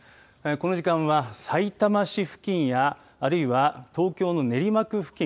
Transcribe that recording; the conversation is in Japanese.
この時間は、さいたま市付近やあるいは、東京の練馬区付近。